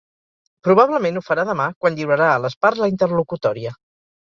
Probablement ho farà demà quan lliurarà a les parts la interlocutòria.